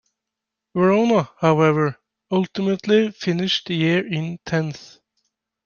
Verona, however, ultimately finished the year in tenth.